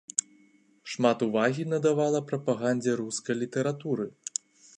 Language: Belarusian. Шмат увагі надавала прапагандзе рускай літаратуры.